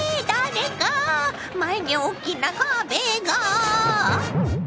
前におっきな壁が！